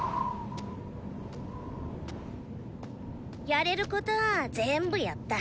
やれることは全部やった。